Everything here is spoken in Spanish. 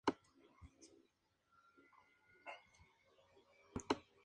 Se cree que fue descubierto con un pasaporte falso y armas de fuego.